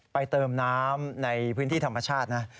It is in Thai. เติมน้ำในพื้นที่ธรรมชาตินะ